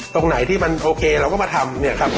ตรงไหนที่มันโอเคเราก็มาทำเนี่ยครับ